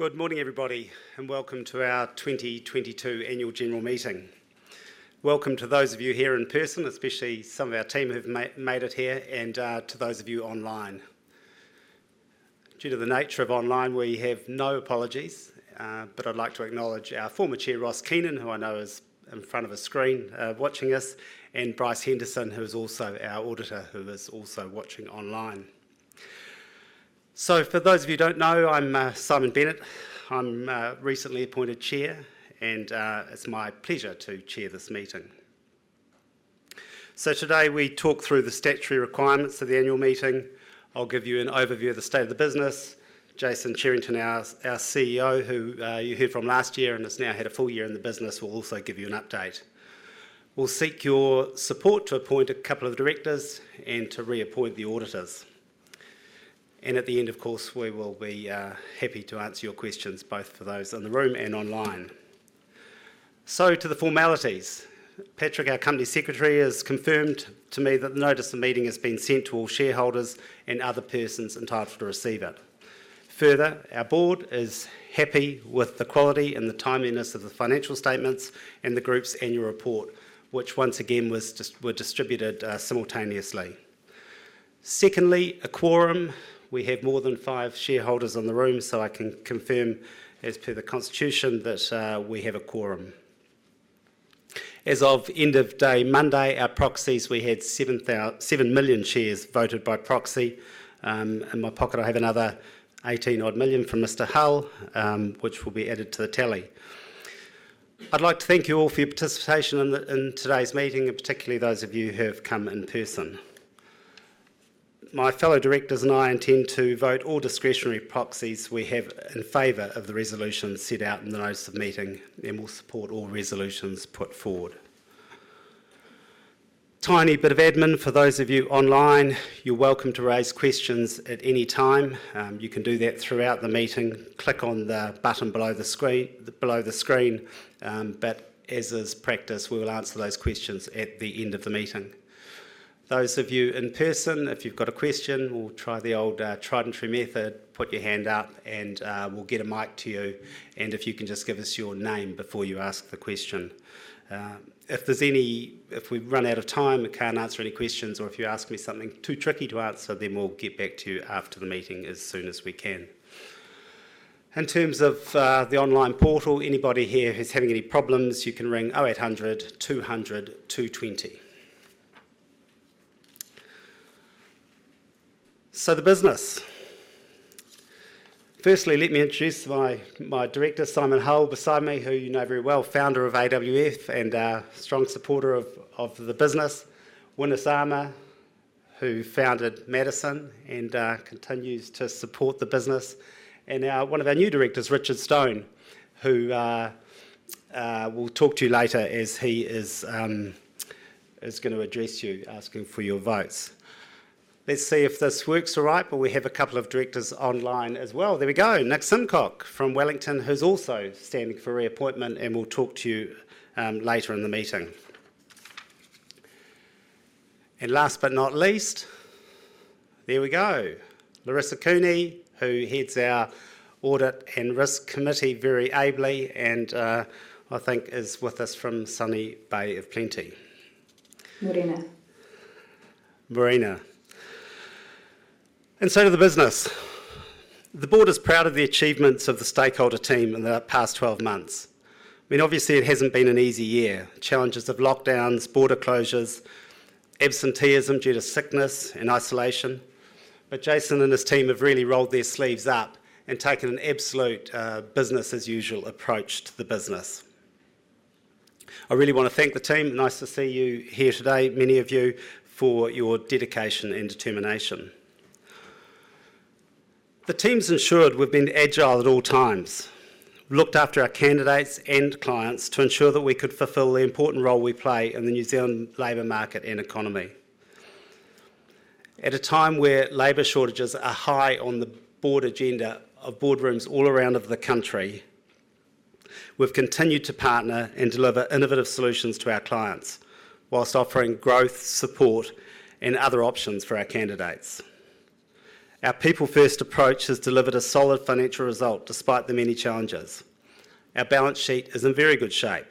Good morning, everybody, and welcome to our 2022 annual general meeting. Welcome to those of you here in person, especially some of our team who've made it here and to those of you online. Due to the nature of online, we have no apologies, but I'd like to acknowledge our former Chair, Ross Keenan, who I know is in front of a screen, watching us, and Bryce Henderson, who is also our auditor, who is also watching online. For those of you don't know, I'm Simon Bennett. I'm a recently appointed Chair, and it's my pleasure to chair this meeting. Today, we talk through the statutory requirements of the annual meeting. I'll give you an overview of the state of the business. Jason Cherrington, our CEO, who you heard from last year and has now had a full year in the business, will also give you an update. We'll seek your support to appoint a couple of directors and to reappoint the auditors. At the end, of course, we will be happy to answer your questions both for those in the room and online. To the formalities. Patrick, our company secretary, has confirmed to me that the notice of the meeting has been sent to all shareholders and other persons entitled to receive it. Further, our board is happy with the quality and the timeliness of the financial statements and the group's annual report, which once again was distributed simultaneously. Secondly, a quorum. We have more than five shareholders in the room, so I can confirm as per the constitution that we have a quorum. As of end of day Monday, our proxies, we had seven million shares voted by proxy. In my pocket, I have another 18 odd million from Mr. Hull, which will be added to the tally. I'd like to thank you all for your participation in today's meeting, and particularly those of you who have come in person. My fellow directors and I intend to vote all discretionary proxies we have in favor of the resolutions set out in the notice of meeting, and we'll support all resolutions put forward. Tiny bit of admin. For those of you online, you're welcome to raise questions at any time. You can do that throughout the meeting. Click on the button below the screen, but as is practice, we will answer those questions at the end of the meeting. Those of you in person, if you've got a question, we'll try the old, tried and true method. Put your hand up, and we'll get a mic to you. If you can just give us your name before you ask the question. If we run out of time and can't answer any questions or if you ask me something too tricky to answer, then we'll get back to you after the meeting as soon as we can. In terms of the online portal, anybody here who's having any problems, you can ring 0800-200-220. So the business. Firstly, let me introduce my director, Simon Hull, beside me, who you know very well, founder of AWF and a strong supporter of the business. Win Lasaama, who founded Madison and continues to support the business. Our one of our new directors, Richard Stone, who will talk to you later as he is gonna address you asking for your votes. Let's see if this works all right, but we have a couple of directors online as well. There we go. Nick Simcock from Wellington, who's also standing for reappointment and will talk to you later in the meeting. Last but not least, there we go, Laurissa Cooney, who heads our Audit and Risk Committee very ably and I think is with us from sunny Bay of Plenty. Morena. Morena. To the business. The board is proud of the achievements of the stakeholder team in the past 12 months. I mean, obviously it hasn't been an easy year. Challenges of lockdowns, border closures, absenteeism due to sickness and isolation. Jason and his team have really rolled their sleeves up and taken an absolute business as usual approach to the business. I really wanna thank the team, nice to see you here today, many of you, for your dedication and determination. The team's ensured we've been agile at all times, looked after our candidates and clients to ensure that we could fulfill the important role we play in the New Zealand labor market and economy. At a time where labor shortages are high on the board agenda of boardrooms all around of the country, we've continued to partner and deliver innovative solutions to our clients while offering growth, support, and other options for our candidates. Our people-first approach has delivered a solid financial result despite the many challenges. Our balance sheet is in very good shape.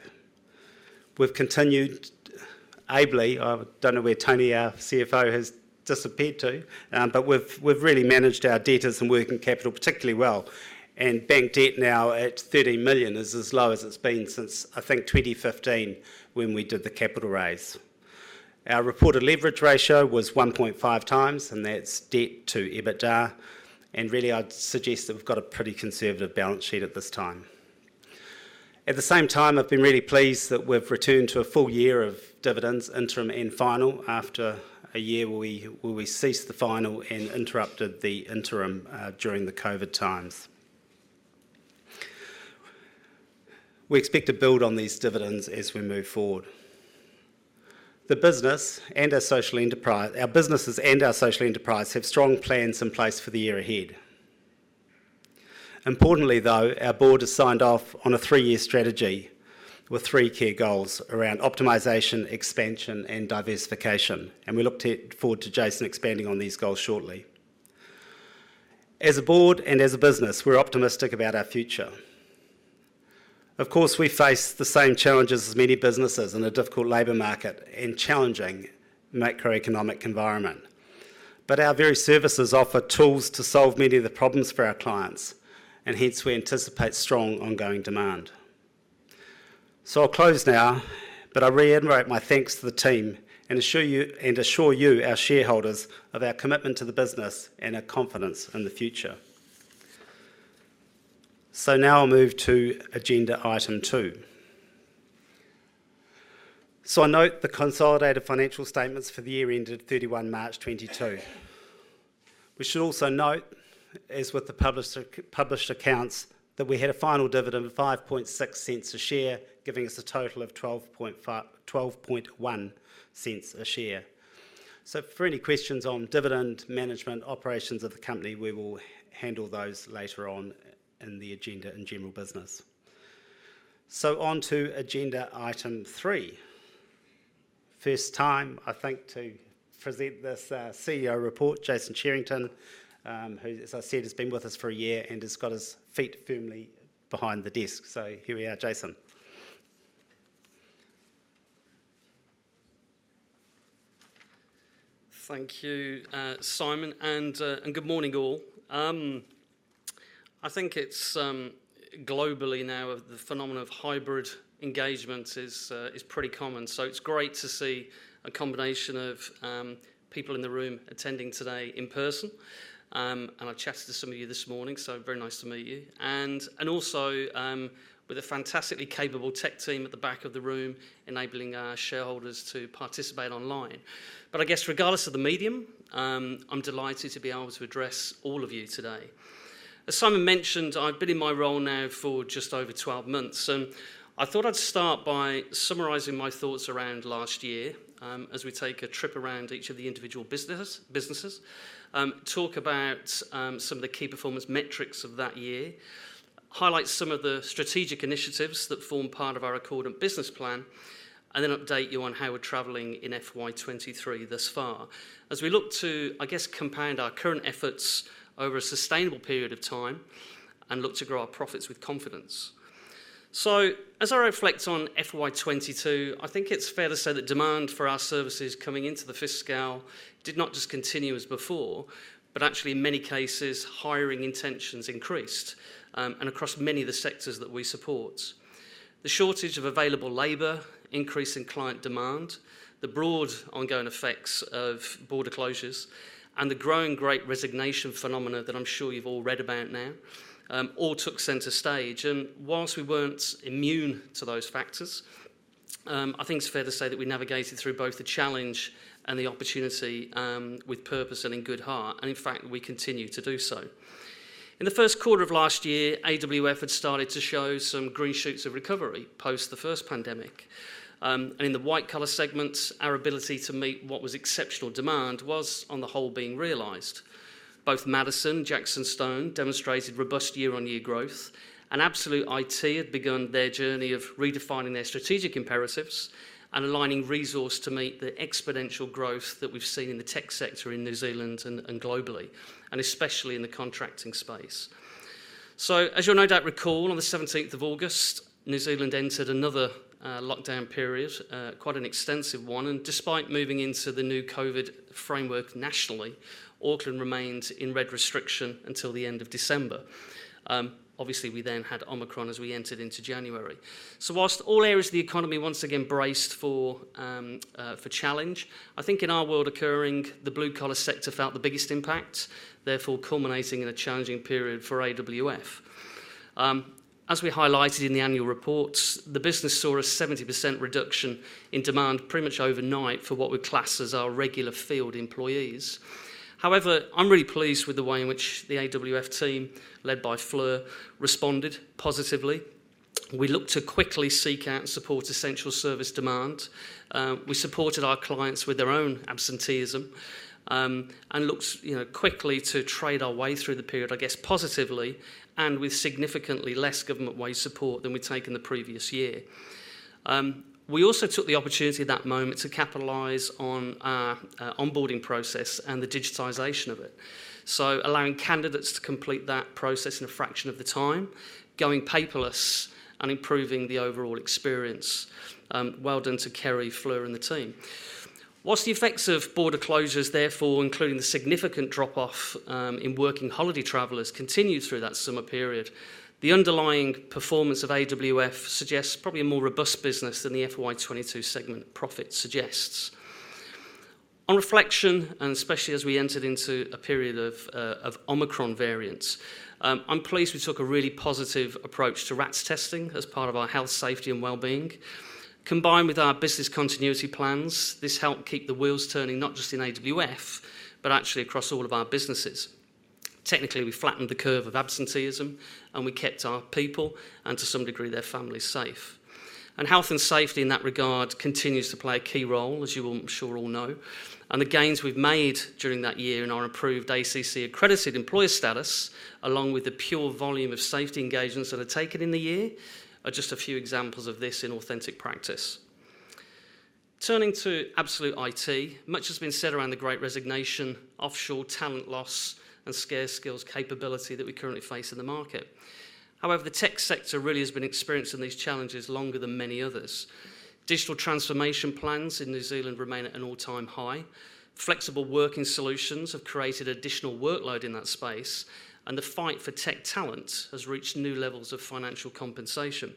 We've continued ably. I don't know where Tony, our CFO, has disappeared to, but we've really managed our debtors and working capital particularly well. Bank debt now at 30 million is as low as it's been since, I think, 2015 when we did the capital raise. Our reported leverage ratio was 1.5x, and that's debt to EBITDA. Really, I'd suggest that we've got a pretty conservative balance sheet at this time. At the same time, I've been really pleased that we've returned to a full year of dividends, interim and final, after a year where we ceased the final and interrupted the interim, during the COVID times. We expect to build on these dividends as we move forward. Our businesses and our social enterprise have strong plans in place for the year ahead. Importantly, though, our board has signed off on a three-year strategy with three key goals around optimization, expansion, and diversification, and we look forward to Jason expanding on these goals shortly. As a board and as a business, we're optimistic about our future. Of course, we face the same challenges as many businesses in a difficult labor market and challenging macroeconomic environment. Our very services offer tools to solve many of the problems for our clients, and hence we anticipate strong ongoing demand. I'll close now, but I reiterate my thanks to the team and assure you, our shareholders, of our commitment to the business and our confidence in the future. Now I'll move to agenda item two. I note the consolidated financial statements for the year ended 31 March 2022. We should also note, as with the published accounts, that we had a final dividend of 0.056 a share, giving us a total of 0.121 a share. For any questions on dividend management operations of the company, we will handle those later on in the agenda in general business. On to agenda item three. First time, I think, to present this CEO report, Jason Cherrington, who, as I said, has been with us for a year and has got his feet firmly behind the desk. Here we are, Jason. Thank you, Simon, and good morning, all. I think it's globally now, the phenomenon of hybrid engagement is pretty common. It's great to see a combination of people in the room attending today in person. I chatted to some of you this morning, so very nice to meet you. Also, with a fantastically capable tech team at the back of the room enabling our shareholders to participate online. I guess regardless of the medium, I'm delighted to be able to address all of you today. As Simon mentioned, I've been in my role now for just over 12 months, and I thought I'd start by summarizing my thoughts around last year, as we take a trip around each of the individual businesses, talk about some of the key performance metrics of that year, highlight some of the strategic initiatives that form part of our Accordant business plan, and then update you on how we're traveling in FY 2023 thus far. As we look to, I guess, compound our current efforts over a sustainable period of time and look to grow our profits with confidence. As I reflect on FY 2022, I think it's fair to say that demand for our services coming into the fiscal did not just continue as before, but actually in many cases, hiring intentions increased, and across many of the sectors that we support. The shortage of available labor, increase in client demand, the broad ongoing effects of border closures, and the growing great resignation phenomena that I'm sure you've all read about now, all took center stage. While we weren't immune to those factors, I think it's fair to say that we navigated through both the challenge and the opportunity, with purpose and in good heart, and in fact, we continue to do so. In the first quarter of last year, AWF had started to show some green shoots of recovery post the first pandemic. In the white-collar segments, our ability to meet what was exceptional demand was, on the whole, being realized. Both Madison and JacksonStone & Partners demonstrated robust year-on-year growth, and Absolute IT had begun their journey of redefining their strategic imperatives and aligning resource to meet the exponential growth that we've seen in the tech sector in New Zealand and globally, and especially in the contracting space. As you'll no doubt recall, on the seventeenth of August, New Zealand entered another lockdown period, quite an extensive one. Despite moving into the new COVID framework nationally, Auckland remained in red restriction until the end of December. Obviously, we then had Omicron as we entered into January. While all areas of the economy once again braced for challenge, I think in our world of recruiting, the blue-collar sector felt the biggest impact, therefore culminating in a challenging period for AWF. As we highlighted in the annual reports, the business saw a 70% reduction in demand pretty much overnight for what we'd class as our regular field employees. However, I'm really pleased with the way in which the AWF team, led by Fleur, responded positively. We looked to quickly seek out and support essential service demand. We supported our clients with their own absenteeism, and looked, you know, quickly to trade our way through the period, I guess, positively and with significantly less government-wide support than we'd taken the previous year. We also took the opportunity at that moment to capitalize on our onboarding process and the digitization of it. Allowing candidates to complete that process in a fraction of the time, going paperless, and improving the overall experience. Well done to Kerry Fleur, and the team. While the effects of border closures, therefore, including the significant drop-off in working holiday travelers continued through that summer period, the underlying performance of AWF suggests probably a more robust business than the FY 2022 segment profit suggests. On reflection, and especially as we entered into a period of Omicron variants, I'm pleased we took a really positive approach to RAT testing as part of our health, safety, and well-being. Combined with our business continuity plans, this helped keep the wheels turning not just in AWF, but actually across all of our businesses. Technically, we flattened the curve of absenteeism, and we kept our people, and to some degree, their families safe. Health and safety in that regard continues to play a key role, as you will, I'm sure, all know. The gains we've made during that year in our approved ACC accredited employer status, along with the sheer volume of safety engagements that are taken in the year, are just a few examples of this in authentic practice. Turning to Absolute IT, much has been said around the great resignation, offshore talent loss, and scarce skills capability that we currently face in the market. However, the tech sector really has been experiencing these challenges longer than many others. Digital transformation plans in New Zealand remain at an all-time high. Flexible working solutions have created additional workload in that space, and the fight for tech talent has reached new levels of financial compensation.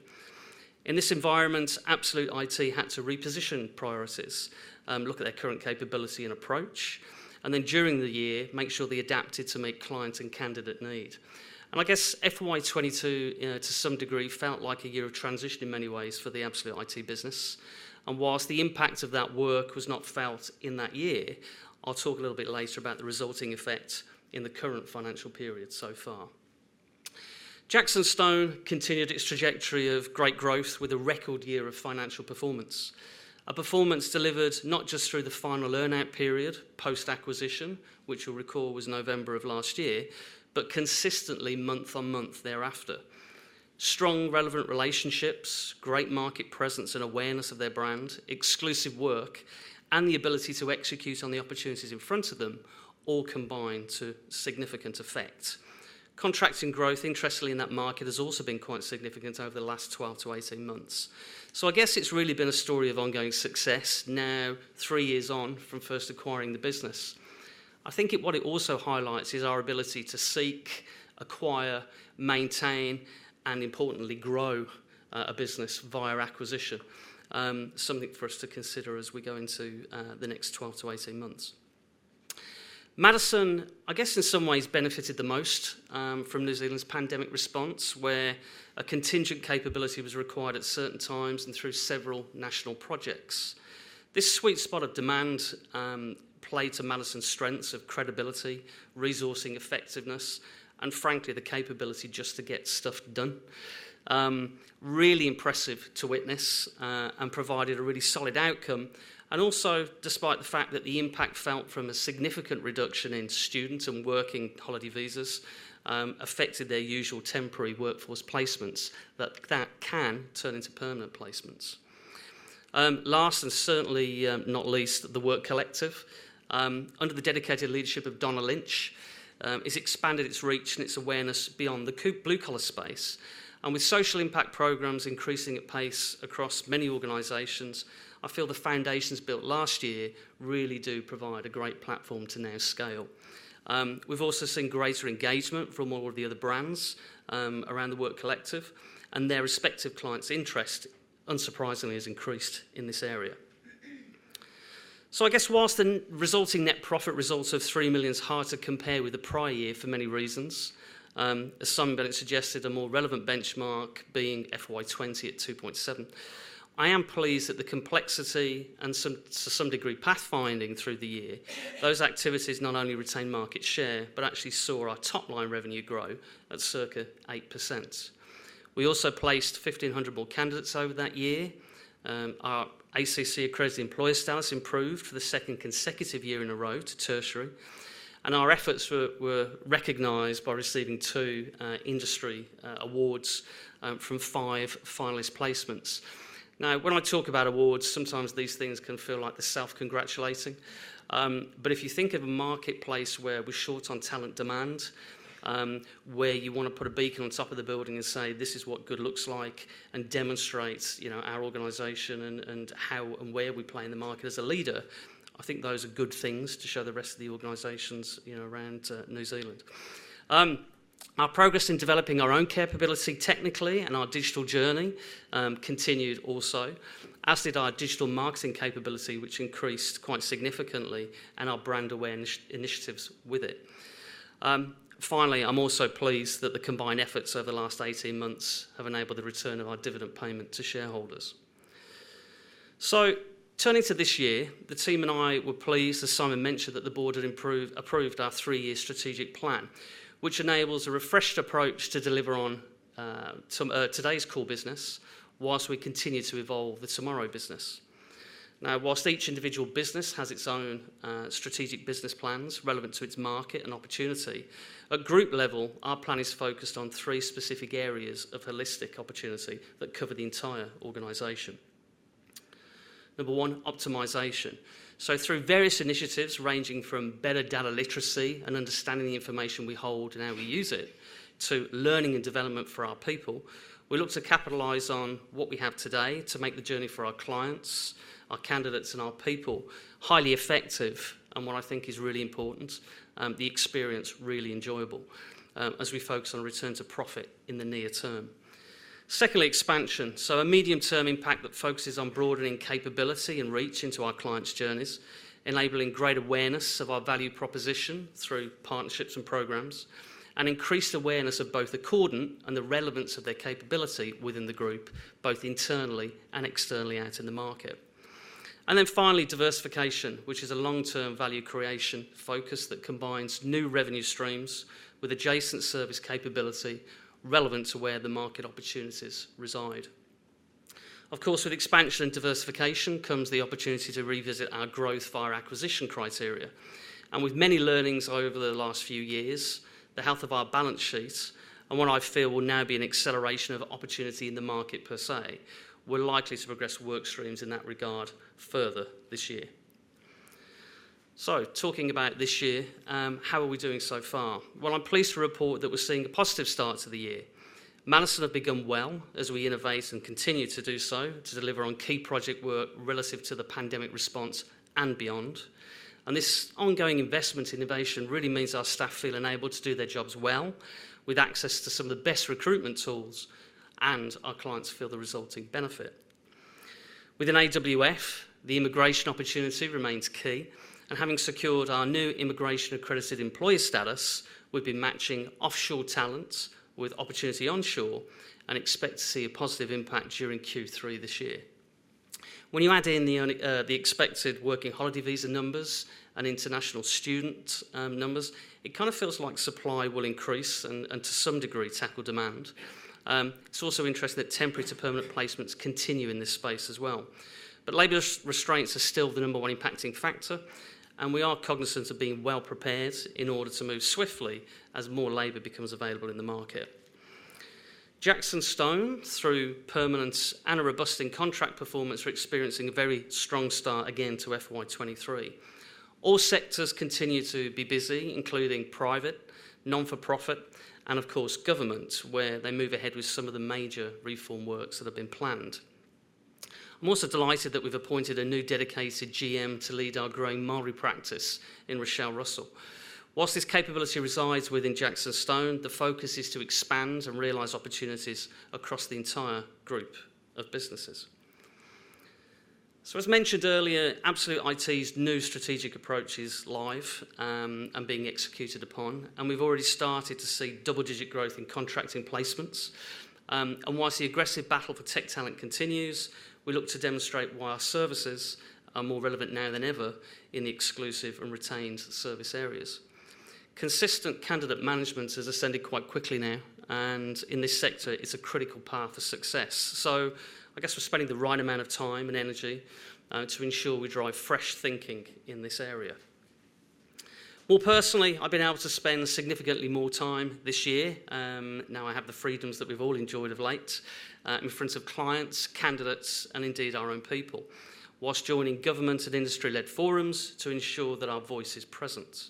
In this environment, Absolute IT had to reposition priorities, look at their current capability and approach, and then during the year, make sure they adapted to meet clients' and candidate need. I guess FY 2022, you know, to some degree, felt like a year of transition in many ways for the Absolute IT business. While the impact of that work was not felt in that year, I'll talk a little bit later about the resulting effect in the current financial period so far. JacksonStone continued its trajectory of great growth with a record year of financial performance, a performance delivered not just through the final earn-out period, post-acquisition, which you'll recall was November of last year, but consistently month-on-month thereafter. Strong, relevant relationships, great market presence and awareness of their brand, exclusive work, and the ability to execute on the opportunities in front of them all combined to significant effect. Contracting growth, interestingly, in that market has also been quite significant over the last 12-18 months. I guess it's really been a story of ongoing success now three years on from first acquiring the business. I think what it also highlights is our ability to seek, acquire, maintain, and importantly, grow, a business via acquisition, something for us to consider as we go into the next 12-18 months. Madison, I guess, in some ways benefited the most from New Zealand's pandemic response, where a contingent capability was required at certain times and through several national projects. This sweet spot of demand played to Madison's strengths of credibility, resourcing effectiveness, and frankly, the capability just to get stuff done. Really impressive to witness and provided a really solid outcome, and also despite the fact that the impact felt from a significant reduction in students and working holiday visas affected their usual temporary workforce placements that can turn into permanent placements. Last and certainly not least, The Work Collective under the dedicated leadership of Donna Lynch has expanded its reach and its awareness beyond the blue-collar space. With social impact programs increasing at pace across many organizations, I feel the foundations built last year really do provide a great platform to now scale. We've also seen greater engagement from all of the other brands around The Work Collective, and their respective clients' interest, unsurprisingly, has increased in this area. I guess while the resulting net profit results of 3 million is hard to compare with the prior year for many reasons, as Simon Bennett suggested, a more relevant benchmark being FY 2020 at 2.7 million. I am pleased that the complexity and to some degree, pathfinding through the year, those activities not only retained market share but actually saw our top-line revenue grow at circa 8%. We also placed 1,500 board candidates over that year. Our ACC-accredited employer status improved for the second consecutive year in a row to tertiary. Our efforts were recognized by receiving two industry awards from five finalist placements. Now, when I talk about awards, sometimes these things can feel like they're self-congratulating. If you think of a marketplace where we're short on talent demand, where you wanna put a beacon on top of the building and say, "This is what good looks like," and demonstrate, you know, our organization and how and where we play in the market as a leader, I think those are good things to show the rest of the organizations, you know, around New Zealand. Our progress in developing our own capability technically and our digital journey continued also, as did our digital marketing capability, which increased quite significantly, and our brand awareness initiatives with it. Finally, I'm also pleased that the combined efforts over the last 18 months have enabled the return of our dividend payment to shareholders. Turning to this year, the team and I were pleased, as Simon mentioned, that the board had approved our three-year strategic plan, which enables a refreshed approach to deliver on some today's core business while we continue to evolve the tomorrow business. While each individual business has its own strategic business plans relevant to its market and opportunity, at group level, our plan is focused on three specific areas of holistic opportunity that cover the entire organization. Number one, optimization. Through various initiatives, ranging from better data literacy and understanding the information we hold and how we use it, to learning and development for our people, we look to capitalize on what we have today to make the journey for our clients, our candidates, and our people highly effective, and what I think is really important, the experience really enjoyable, as we focus on return to profit in the near term. Secondly, expansion, so a medium-term impact that focuses on broadening capability and reach into our clients' journeys, enabling greater awareness of our value proposition through partnerships and programs, and increased awareness of both Accordant and the relevance of their capability within the group, both internally and externally out in the market. Then finally, diversification, which is a long-term value creation focus that combines new revenue streams with adjacent service capability relevant to where the market opportunities reside. Of course, with expansion and diversification comes the opportunity to revisit our growth via acquisition criteria. With many learnings over the last few years, the health of our balance sheets, and what I feel will now be an acceleration of opportunity in the market per se, we're likely to progress work streams in that regard further this year. Talking about this year, how are we doing so far? Well, I'm pleased to report that we're seeing a positive start to the year. Madison have begun well as we innovate and continue to do so to deliver on key project work relative to the pandemic response and beyond. This ongoing investment innovation really means our staff feel enabled to do their jobs well with access to some of the best recruitment tools, and our clients feel the resulting benefit. Within AWF, the immigration opportunity remains key, and having secured our new immigration accredited employer status, we've been matching offshore talent with opportunity onshore and expect to see a positive impact during Q3 this year. When you add in the expected working holiday visa numbers and international student numbers, it kind of feels like supply will increase and to some degree tackle demand. It's also interesting that temporary to permanent placements continue in this space as well. Labor restraints are still the number one impacting factor, and we are cognizant of being well prepared in order to move swiftly as more labor becomes available in the market. JacksonStone, through permanent and robust in-contract performance, are experiencing a very strong start again to FY 2023. All sectors continue to be busy, including private, nonprofit, and of course government, where they move ahead with some of the major reform works that have been planned. I'm also delighted that we've appointed a new dedicated GM to lead our growing Māori practice in Rochelle Russell. While this capability resides within JacksonStone, the focus is to expand and realize opportunities across the entire group of businesses. As mentioned earlier, Absolute IT's new strategic approach is live and being executed upon, and we've already started to see double-digit growth in contracting placements. While the aggressive battle for tech talent continues, we look to demonstrate why our services are more relevant now than ever in the exclusive and retained service areas. Consistent candidate management is ascending quite quickly now, and in this sector it's a critical path for success. I guess we're spending the right amount of time and energy to ensure we drive fresh thinking in this area. More personally, I've been able to spend significantly more time this year, now I have the freedoms that we've all enjoyed of late, in front of clients, candidates, and indeed our own people, while joining government and industry-led forums to ensure that our voice is present.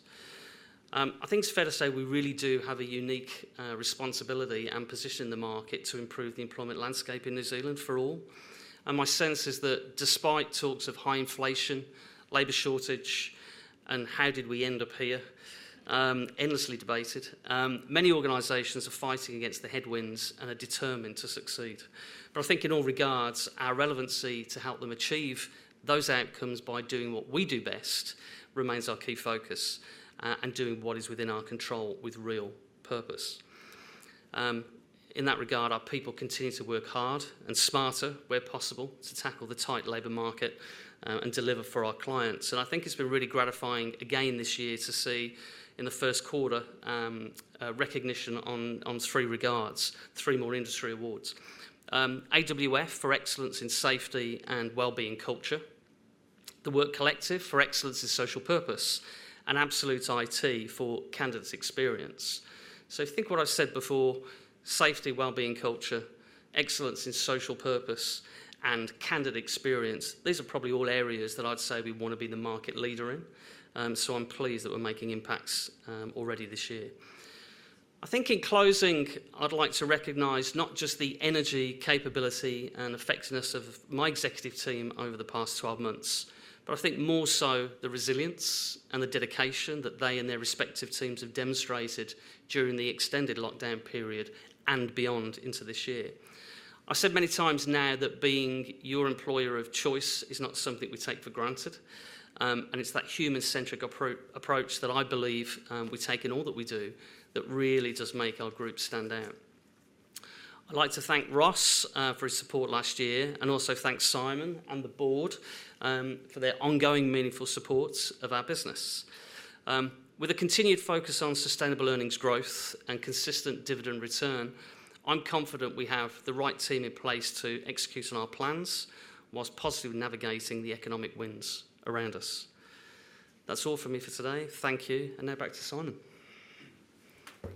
I think it's fair to say we really do have a unique responsibility and position in the market to improve the employment landscape in New Zealand for all. My sense is that despite talks of high inflation, labor shortage, and how did we end up here, endlessly debated, many organizations are fighting against the headwinds and are determined to succeed. I think in all regards, our relevancy to help them achieve those outcomes by doing what we do best remains our key focus, and doing what is within our control with real purpose. In that regard, our people continue to work hard and smarter where possible to tackle the tight labor market, and deliver for our clients. I think it's been really gratifying again this year to see, in the first quarter, a recognition in three regards, three more industry awards, AWF for excellence in safety and well-being culture, The Work Collective for excellence in social purpose, and Absolute IT for candidate experience. Think what I said before, safety, well-being culture, excellence in social purpose, and candidate experience. These are probably all areas that I'd say we wanna be the market leader in, so I'm pleased that we're making impacts already this year. I think in closing, I'd like to recognize not just the energy, capability, and effectiveness of my executive team over the past 12 months, but I think more so the resilience and the dedication that they and their respective teams have demonstrated during the extended lockdown period and beyond into this year. I've said many times now that being your employer of choice is not something we take for granted, and it's that human-centric approach that I believe we take in all that we do that really does make our group stand out. I'd like to thank Ross for his support last year, and also thank Simon and the board for their ongoing meaningful supports of our business. With a continued focus on sustainable earnings growth and consistent dividend return, I'm confident we have the right team in place to execute on our plans whilst positively navigating the economic winds around us. That's all from me for today. Thank you, and now back to Simon. Very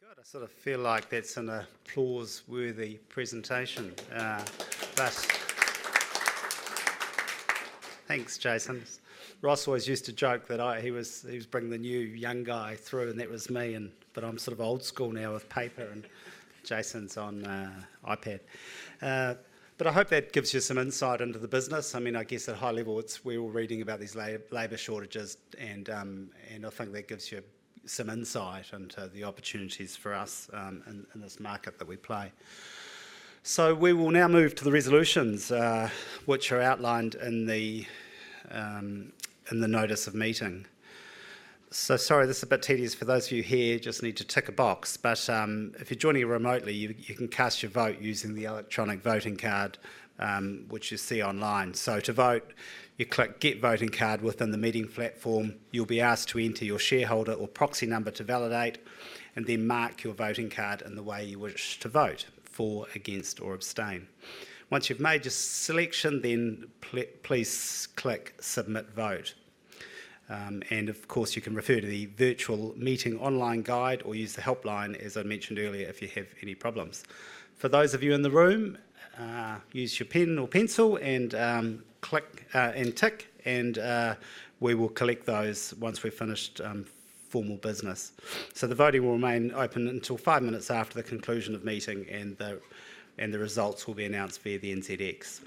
good. I sort of feel like that's an applause-worthy presentation. Thanks, Jason. Ross always used to joke that he was bringing the new young guy through, and that was me, but I'm sort of old school now with paper, and Jason's on iPad. I hope that gives you some insight into the business. I mean, I guess at high level, it's we're all reading about these labor shortages and I think that gives you some insight into the opportunities for us in this market that we play. We will now move to the resolutions, which are outlined in the notice of meeting. Sorry, this is a bit tedious. For those of you here, you just need to tick a box. If you're joining remotely, you can cast your vote using the electronic voting card, which you see online. To vote, you click Get Voting Card within the meeting platform. You'll be asked to enter your shareholder or proxy number to validate, and then mark your voting card in the way you wish to vote, for, against, or abstain. Once you've made your selection, then please click Submit Vote. Of course, you can refer to the virtual meeting online guide or use the helpline, as I mentioned earlier, if you have any problems. For those of you in the room, use your pen or pencil and click and tick, and we will collect those once we've finished formal business. The voting will remain open until five minutes after the conclusion of meeting and the results will be announced via the NZX.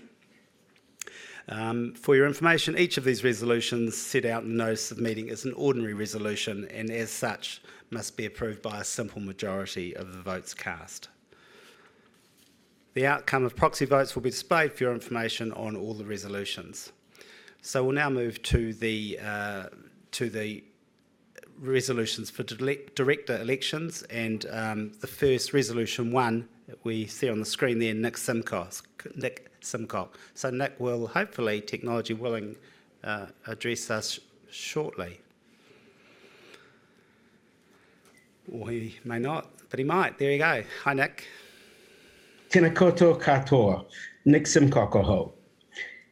For your information, each of these resolutions set out in the notice of the meeting is an ordinary resolution, and as such, must be approved by a simple majority of the votes cast. The outcome of proxy votes will be displayed, for your information, on all the resolutions. We'll now move to the resolutions for director elections and the first resolution one that we see on the screen there, Nick Simcock. Nick will hopefully, technology willing, address us shortly. Or he may not, but he might. There we go. Hi, Nick. Tena koutou katoa. Nick Simcock here.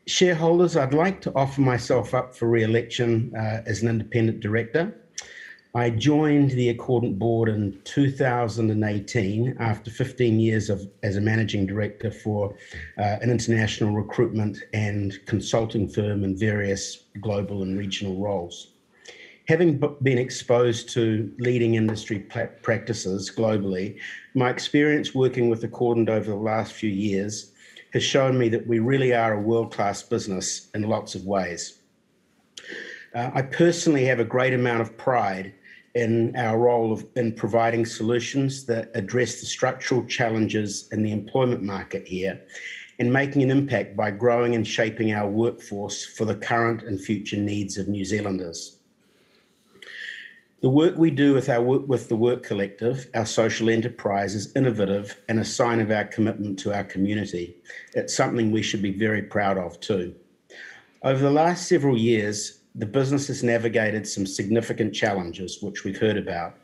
Shareholders, I'd like to offer myself up for re-election as an independent director. I joined the Accordant board in 2018 after 15 years of, as a managing director for an international recruitment and consulting firm in various global and regional roles. Having been exposed to leading industry practices globally, my experience working with Accordant over the last few years has shown me that we really are a world-class business in lots of ways. I personally have a great amount of pride in our role of in providing solutions that address the structural challenges in the employment market here, in making an impact by growing and shaping our workforce for the current and future needs of New Zealanders. The work we do with our work, with The Work Collective, our social enterprise, is innovative and a sign of our commitment to our community. It's something we should be very proud of, too. Over the last several years, the business has navigated some significant challenges, which we've heard about,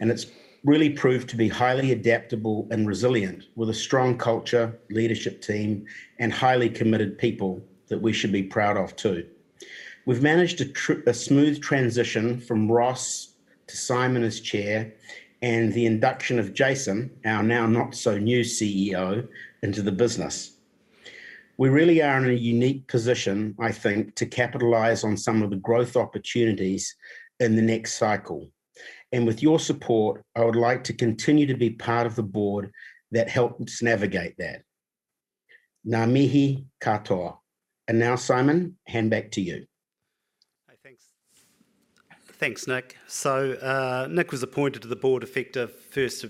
and it's really proved to be highly adaptable and resilient, with a strong culture, leadership team, and highly committed people that we should be proud of, too. We've managed a smooth transition from Ross to Simon as chair and the induction of Jason, our now not so new CEO, into the business. We really are in a unique position, I think, to capitalize on some of the growth opportunities in the next cycle. With your support, I would like to continue to be part of the board that helps navigate that. Ngā mihi katoa. Now, Simon, hand back to you. Hey, thanks. Thanks, Nick. Nick was appointed to the board effective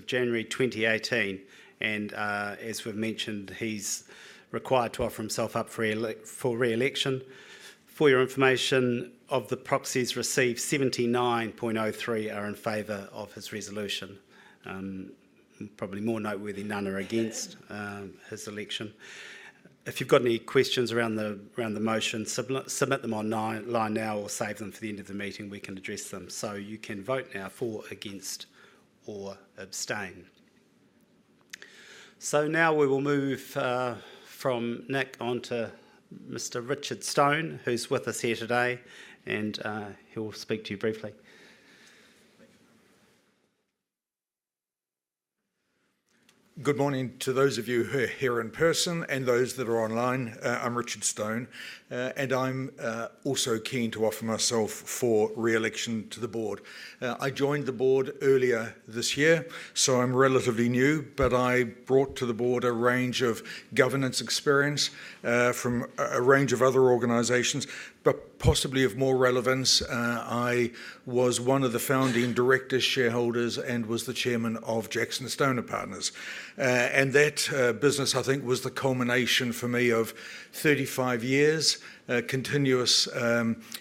January 1, 2018, and as we've mentioned, he's required to offer himself up for re-election. For your information, of the proxies received, 79.03% are in favor of his resolution. Probably more noteworthy, none are against his election. If you've got any questions around the motion, submit them online now or save them for the end of the meeting. We can address them. You can vote now for, against, or abstain. Now we will move from Nick onto Mr. Richard Stone, who's with us here today, and he will speak to you briefly. Good morning to those of you who are here in person and those that are online. I'm Richard Stone, and I'm also keen to offer myself for re-election to the board. I joined the board earlier this year, so I'm relatively new, but I brought to the board a range of governance experience from a range of other organizations. Possibly of more relevance, I was one of the founding director shareholders and was the chairman of JacksonStone & Partners. That business, I think, was the culmination for me of 35 years continuous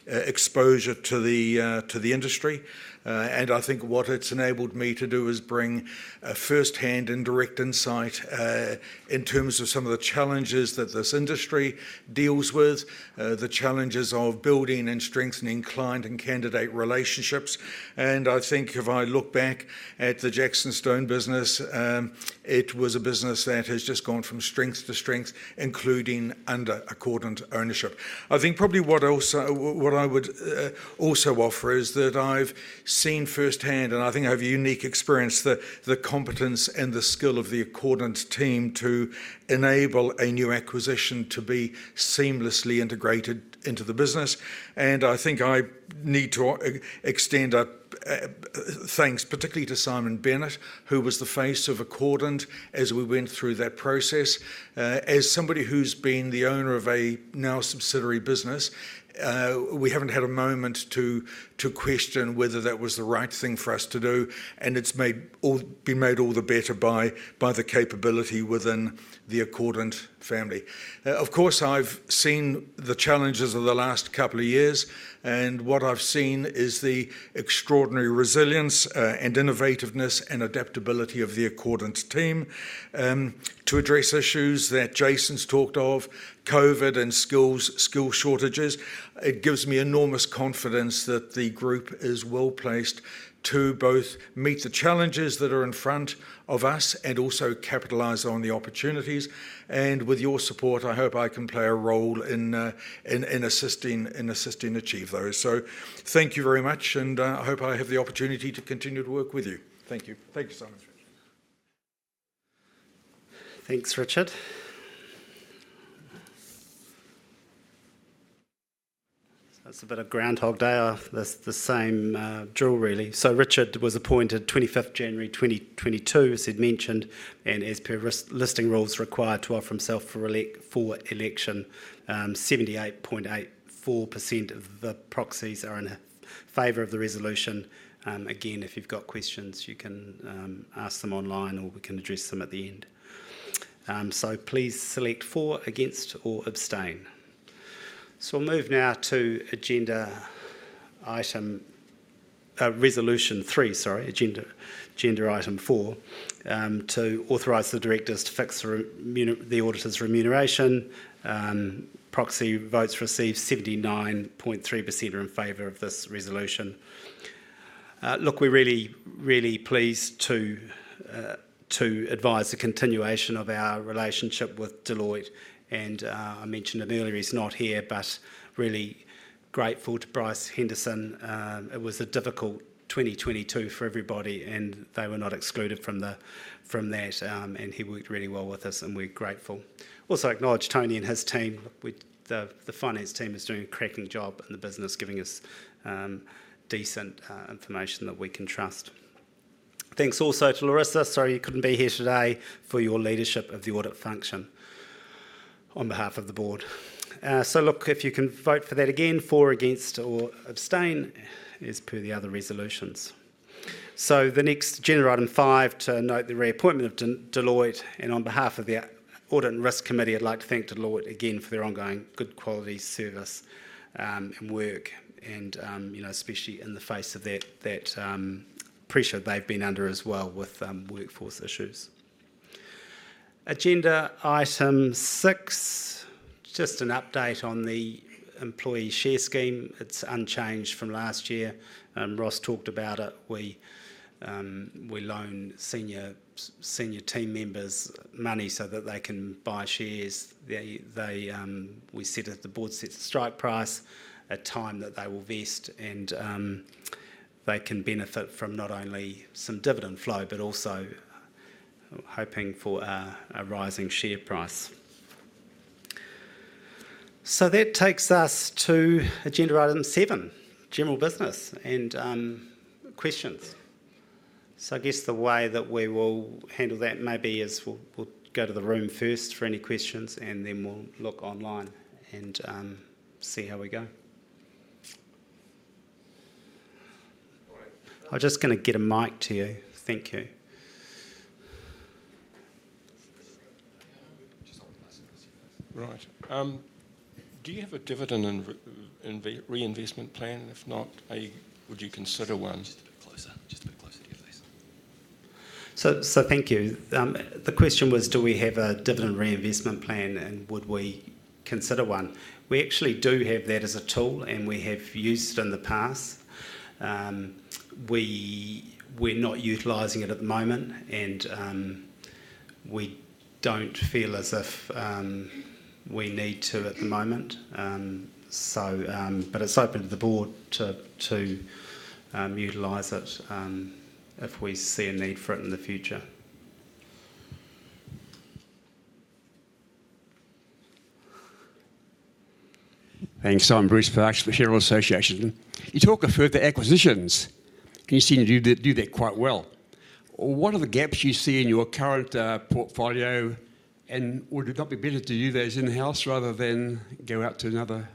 exposure to the industry. I think what it's enabled me to do is bring a first-hand and direct insight in terms of some of the challenges that this industry deals with, the challenges of building and strengthening client and candidate relationships. I think if I look back at the JacksonStone business, it was a business that has just gone from strength to strength, including under Accordant ownership. I think probably what I would also offer is that I've seen first-hand, and I think I have a unique experience, the competence and the skill of the Accordant team to enable a new acquisition to be seamlessly integrated into the business. I think I need to extend a thanks particularly to Simon Bennett, who was the face of Accordant as we went through that process. As somebody who's been the owner of a now subsidiary business, we haven't had a moment to question whether that was the right thing for us to do, and it's been made all the better by the capability within the Accordant family. Of course, I've seen the challenges of the last couple of years, and what I've seen is the extraordinary resilience and innovativeness and adaptability of the Accordant team to address issues that Jason's talked of, COVID and skill shortages. It gives me enormous confidence that the group is well-placed to both meet the challenges that are in front of us and also capitalize on the opportunities. With your support, I hope I can play a role in assisting achieve those. Thank you very much, and, I hope I have the opportunity to continue to work with you. Thank you. Thank you, Simon. Thanks, Richard. That's a bit of Groundhog Day. That's the same drill really. Richard was appointed January 25th 2022, as he'd mentioned, and as per listing rules, required to offer himself for election, 78.84% of the proxies are in favor of the resolution. Again, if you've got questions, you can ask them online or we can address them at the end. Please select for, against or abstain. We'll move now to agenda item four, to authorize the directors to fix the auditor's remuneration. Proxy votes received 79.3% are in favor of this resolution. Look, we're really pleased to advise the continuation of our relationship with Deloitte and I mentioned him earlier, he's not here, but really grateful to Bryce Henderson. It was a difficult 2022 for everybody and they were not excluded from that. He worked really well with us, and we're grateful. Also acknowledge Tony and his team. The finance team is doing a cracking job in the business, giving us decent information that we can trust. Thanks also to Laurissa, sorry you couldn't be here today, for your leadership of the audit function on behalf of the board. Look, if you can vote for that again, for, against or abstain as per the other resolutions. The next agenda item 5 to note the reappointment of Deloitte and on behalf of the Audit and Risk Committee, I'd like to thank Deloitte again for their ongoing good quality service, and work and, you know, especially in the face of that pressure they've been under as well with workforce issues. Agenda item 6, just an update on the employee share scheme. It's unchanged from last year. Ross talked about it. We loan senior team members money so that they can buy shares. They, we set the board sets the strike price, a time that they will vest and they can benefit from not only some dividend flow, but also hoping for a rising share price. That takes us to agenda item 7, general business and questions. I guess the way that we will handle that maybe is we'll go to the room first for any questions, and then we'll look online and see how we go. Morning. I'm just gonna get a mic to you. Thank you. Just hold the mic closer to you please. Right. Do you have a dividend reinvestment plan? If not, would you consider one? Just a bit closer. Just a bit closer to you please. Thank you. The question was do we have a dividend reinvestment plan and would we consider one? We actually do have that as a tool, and we have used it in the past. We're not utilizing it at the moment and we don't feel as if we need to at the moment. It's open to the board to utilize it if we see a need for it in the future. Thanks. I'm Bruce Farquhar for the [New Zealand Shareholders'] Association. You talk of further acquisitions. You seem to do that quite well. What are the gaps you see in your current portfolio, and would it not be better to do those in-house rather than go out to another?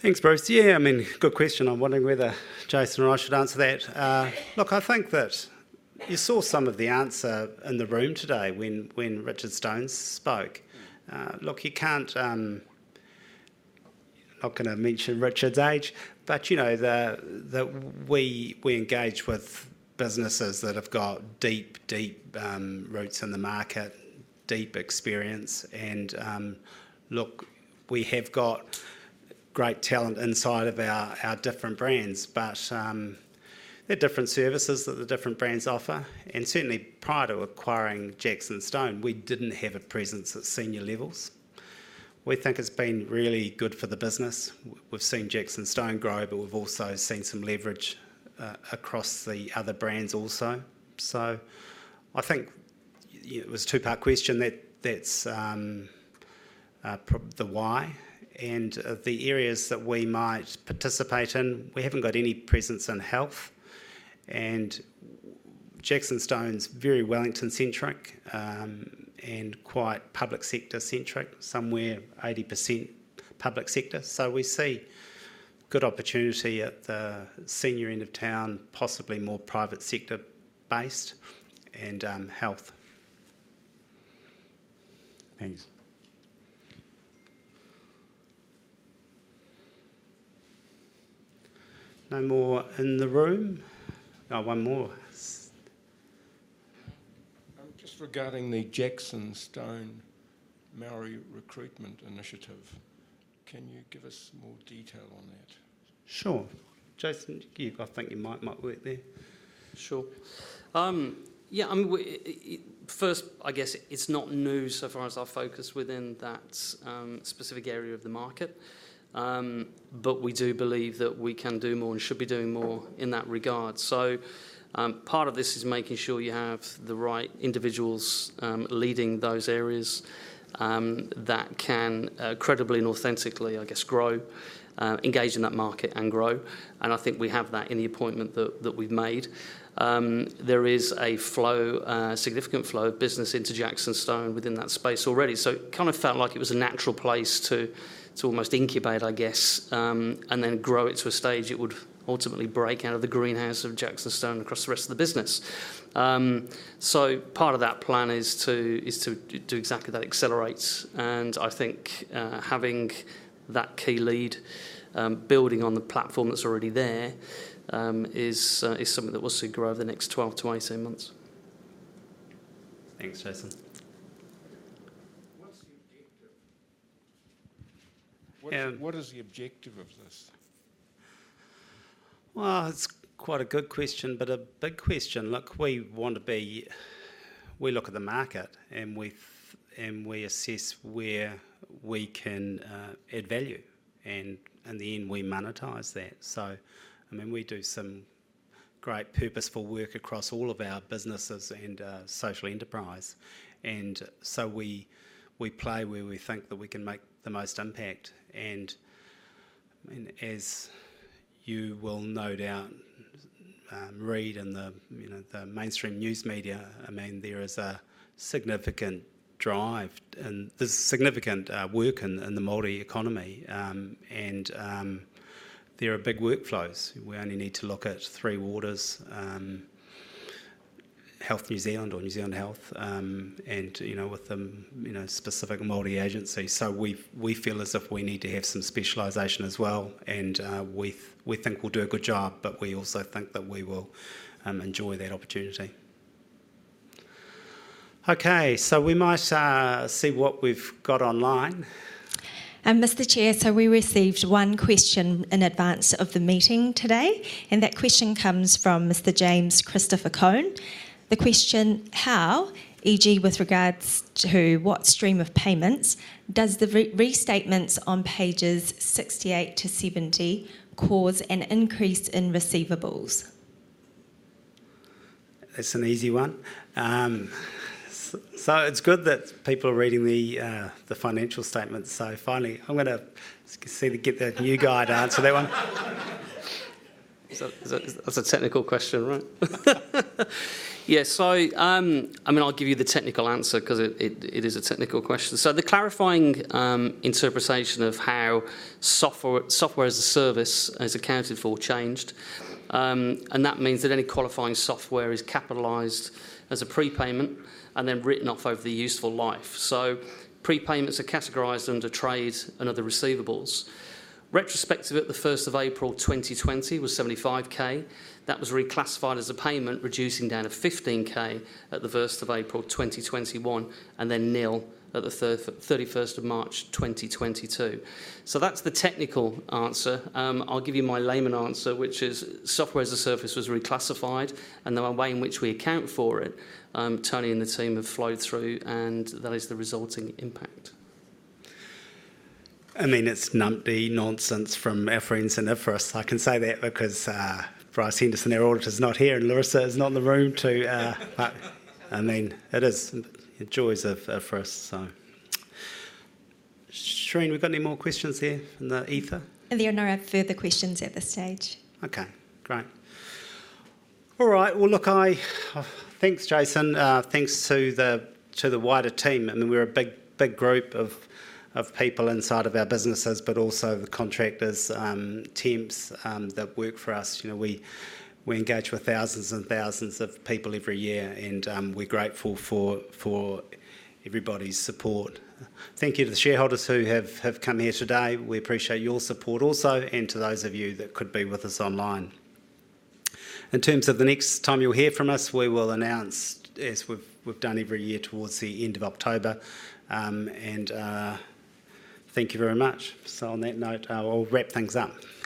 Thanks, Bruce. Yeah, I mean, good question. I'm wondering whether Jason or I should answer that. I think that you saw some of the answer in the room today when Richard Stone spoke. Look, you can't. I'm not gonna mention Richard's age, but you know, we engage with businesses that have got deep roots in the market, deep experience. We have got great talent inside of our different brands, but they're different services that the different brands offer. Certainly prior to acquiring JacksonStone, we didn't have a presence at senior levels. We think it's been really good for the business. We've seen JacksonStone grow, but we've also seen some leverage across the other brands also. I think it was a two-part question that's the why. Of the areas that we might participate in, we haven't got any presence in health, and JacksonStone's very Wellington-centric, and quite public sector-centric. Somewhere 80% public sector. We see good opportunity at the senior end of town, possibly more private sector-based and health. Thanks. No more in the room. Oh, one more. Just regarding the JacksonStone Māori recruitment initiative, can you give us more detail on that? Sure. Jason, I think you might work there. Sure. Yeah, I mean, it first, I guess it's not new so far as our focus within that specific area of the market, but we do believe that we can do more, and should be doing more in that regard. Part of this is making sure you have the right individuals leading those areas that can credibly and authentically, I guess, grow, engage in that market and grow. I think we have that in the appointment that we've made. There is a flow, a significant flow of business into JacksonStone within that space already. It kind of felt like it was a natural place to almost incubate, I guess, and then grow it to a stage it would ultimately break out of the greenhouse of JacksonStone across the rest of the business. Part of that plan is to do exactly that, accelerate. I think having that key lead building on the platform that's already there is something that we'll see grow over the next 12-18 months. Thanks, Jason. What's the objective? And- What is the objective of this? Well, it's quite a good question, but a big question. Look, we want to be. We look at the market, and we assess where we can add value. In the end, we monetize that. I mean, we do some great purposeful work across all of our businesses and social enterprise. We play where we think that we can make the most impact. I mean, as you will no doubt read in the, you know, the mainstream news media, I mean, there is a significant drive and there's significant work in the Māori economy. There are big workflows. We only need to look at Three Waters, Health New Zealand or New Zealand Health, and, you know, with the, you know, specific Māori agencies. We feel as if we need to have some specialization as well, and we think we'll do a good job, but we also think that we will enjoy that opportunity. Okay. We might see what we've got online. Mr. Chair, we received one question in advance of the meeting today, and that question comes from Mr. James Christopher Cone. The question. How, e.g., with regards to what stream of payments, does the restatements on pages 68 to 70 cause an increase in receivables? That's an easy one. It's good that people are reading the financial statements. Finally, I'm gonna see to get the new guy to answer that one. It's a technical question, right? Yeah. I mean, I'll give you the technical answer 'cause it is a technical question. The clarifying interpretation of how software as a service is accounted for changed. That means that any qualifying software is capitalized as a prepayment and then written off over the useful life. Prepayments are categorized under trade and other receivables. Retrospective at the 1st of April 2020 was 75,000. That was reclassified as a payment, reducing down to 15,000 at the 1st of April 2022, and then nil at the 31st of March 2022. That's the technical answer. I'll give you my layman answer, which is software as a service was reclassified, and the way in which we account for it, Tony and the team have flowed through, and that is the resulting impact. I mean, it's numpty nonsense from our friends in IFRS. I can say that because Bryce Henderson, our auditor's not here, and Laurissa is not in the room. I mean, it is the joys of IFRS, so. Shereen, we've got any more questions here in the ether? There are no further questions at this stage. Okay. Great. All right. Well, look, Thanks, Jason. Thanks to the wider team. I mean, we're a big group of people inside of our businesses, but also the contractors, temps, that work for us. You know, we engage with thousands and thousands of people every year, and we're grateful for everybody's support. Thank you to the shareholders who have come here today. We appreciate your support also, and to those of you that could be with us online. In terms of the next time you'll hear from us, we will announce, as we've done every year, towards the end of October. Thank you very much. On that note, I will wrap things up.